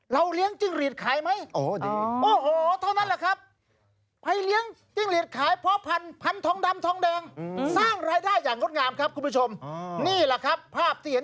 เราเล้งจ้างหลีดขายไหม